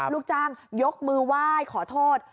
ลูกจ้างยกมือไหว้ขอโทษ